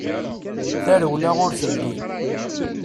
Tarewla ur telli.